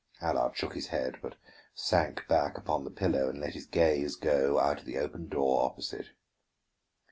Allard shook his head, but sank back upon the pillow and let his gaze go out the open door opposite.